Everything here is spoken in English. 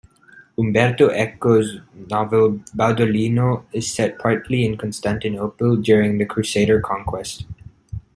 Umberto Eco's novel "Baudolino" is set partly at Constantinople during the Crusader conquest.